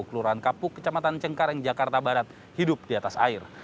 kelurahan kapuk kecamatan cengkareng jakarta barat hidup di atas air